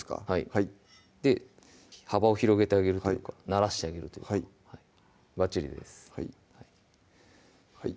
はい幅を広げてあげるというかならしてあげるというかバッチリですはい